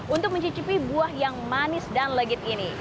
untuk mencicipi buah yang manis dan legit ini